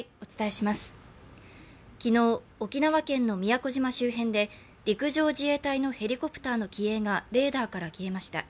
昨日、沖縄県の宮古島周辺で陸上自衛隊のヘリコプターの機影がレーダーから消えました。